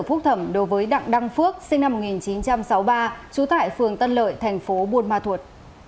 phúc thẩm đối với đặng đăng phước sinh năm một nghìn chín trăm sáu mươi ba trú tại phường tân lợi thành phố buôn ma thuột